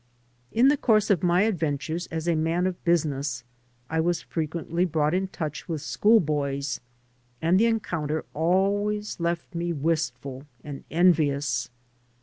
In the course of my adventures as a man of business I was frequently brought in touch with school boys, and the encounter always left me wistful and envious.